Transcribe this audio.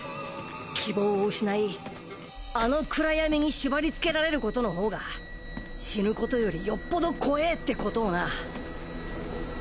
希望を失いあの暗闇に縛りつけられることのほうが死ぬことよりよっぽど怖えってことをな。